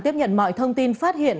tiếp nhận mọi thông tin phát hiện